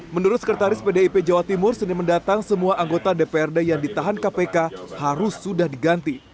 menurut sekretaris pdip jawa timur senin mendatang semua anggota dprd yang ditahan kpk harus sudah diganti